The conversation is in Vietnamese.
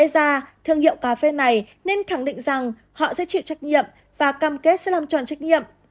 ra thương hiệu cà phê này nên khẳng định rằng họ sẽ chịu trách nhiệm và cam kết sẽ làm tròn trách nhiệm